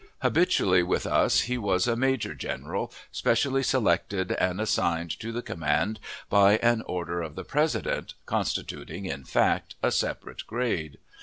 Habitually with us he was a major general, specially selected and assigned to the command by an order of the President, constituting, in fact, a separate grade.